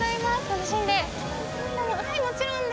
楽しんで！